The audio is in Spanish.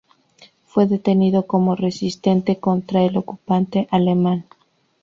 Fue detenido como resistente contra el ocupante alemán.